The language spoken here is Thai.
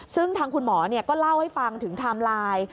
ซึ่งทางคุณหมอก็เล่าให้ฟังถึงไทม์ไลน์